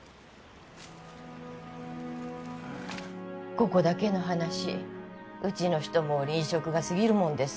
ここだけの話うちの人も吝嗇が過ぎるもんです